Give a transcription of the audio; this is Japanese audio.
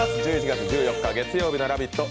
１１月１４日月曜日の「ラヴィット！」